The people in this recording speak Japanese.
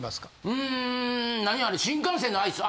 うん何あれ新幹線のアイス。